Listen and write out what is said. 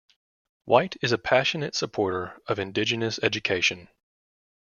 White is a passionate supporter of indigenous education.